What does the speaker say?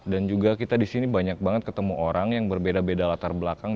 dan juga kita di sini banyak banget ketemu orang yang berbeda beda latar belakang